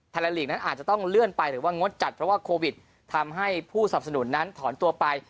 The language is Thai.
แลนลีกนั้นอาจจะต้องเลื่อนไปหรือว่างดจัดเพราะว่าโควิดทำให้ผู้สับสนุนนั้นถอนตัวไป